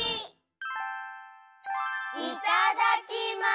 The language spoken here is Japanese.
いただきます！